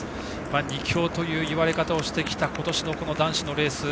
２強という言われ方をしてきた男子のレース。